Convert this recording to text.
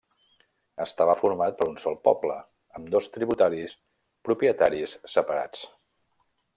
Estava format per un sol poble, amb dos tributaris propietaris separats.